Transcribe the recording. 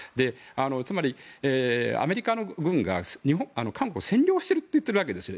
つまり、アメリカの軍が韓国を占領していると言っているわけです。